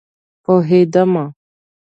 پوهیدم